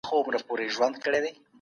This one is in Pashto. زه په پښتو ژبي کي خپل پيغام ليکم.